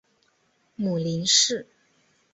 母林氏。